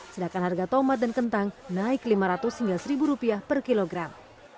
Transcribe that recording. sedangkan harga tomat dan kentang naik lima ratus hingga seribu rupiah per kilogram